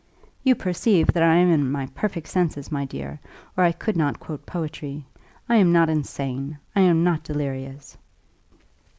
"You perceive that I am in my perfect senses, my dear, or I could not quote poetry. I am not insane I am not delirious."